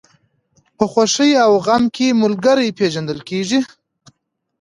په خوښۍ او غم کې ملګری پېژندل کېږي.